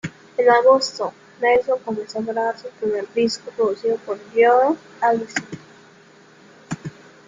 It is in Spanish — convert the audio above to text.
En agosto, Nelson comenzó a grabar su primer disco, producido por Joe Allison.